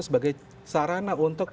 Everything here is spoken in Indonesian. sebagai sarana untuk